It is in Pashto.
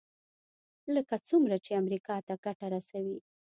لکه څومره چې امریکا ته ګټه رسوي.